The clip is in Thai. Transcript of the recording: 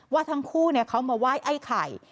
ว่าทั้งคู่เขามาไหว้ไอ้ไข่